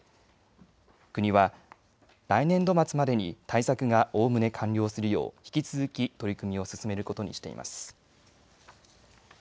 国は来年度末までに対策がおおむね完了するよう引き続き取り組みを進めることにしています。